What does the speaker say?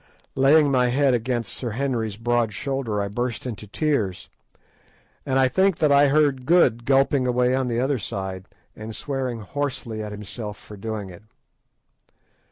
Laying my head against Sir Henry's broad shoulder I burst into tears; and I think that I heard Good gulping away on the other side, and swearing hoarsely at himself for doing so.